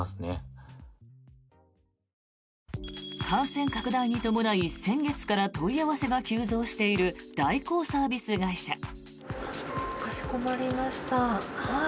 感染拡大に伴い先月から問い合わせが急増している代行サービス会社。